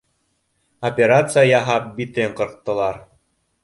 Операция яһап, битен ҡырҡтылар.